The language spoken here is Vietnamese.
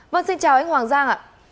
vâng xin chào anh hoàng giang ạ